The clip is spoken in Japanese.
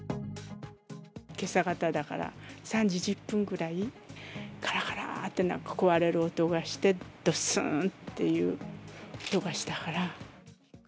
けさ方だから、３時１０分ぐらい、がらがらーって、なんか壊れる音がして、どすんっていう音がしたから。